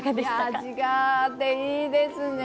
味があっていいですね。